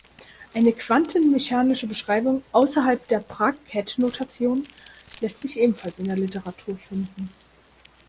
Eine quantenmechanische Beschreibung außerhalb der Bra-Ket-Notation lässt sich ebenfalls in der Literatur finden.